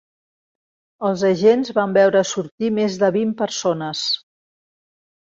Els agents van veure sortir més de vint persones.